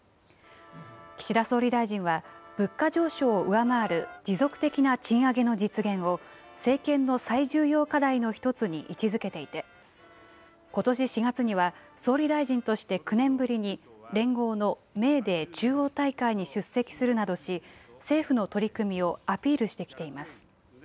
岸田総理大臣は、物価上昇を上回る持続的な賃上げの実現を、政権の最重要課題の一つに位置づけていて、ことし４月には、総理大臣として９年ぶりに連合のメーデー中央大会に出席するなどし、政府の取り組みをアピールしてきています。